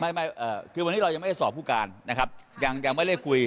ไม่ไม่เอ่อคือวันนี้เรายังไม่ได้สอบผู้การนะครับยังยังไม่ได้คุย